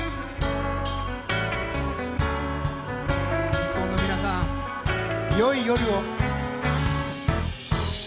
日本の皆さんよい夜を！